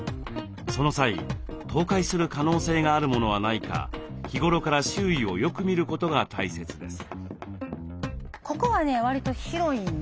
その際倒壊する可能性があるものはないか日頃から周囲をよく見ることが大切です。